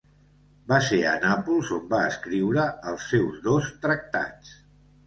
Va ser a Nàpols on va escriure els seus dos tractats.